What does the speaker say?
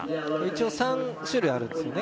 一応３種類あるんですよね